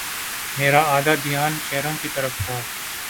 میرا آدھا دھیان چہروں کی طرف تھا۔